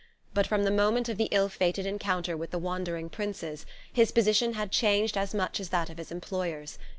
But from the moment of the ill fated encounter with the wandering Princes, his position had changed as much as that of his employers.